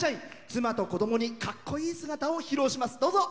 妻と子どもにかっこいい姿を披露します。